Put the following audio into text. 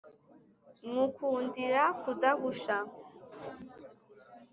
Nywukundira kudahusha;